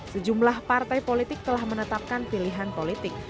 sejumlah partai politik telah menetapkan pilihan politik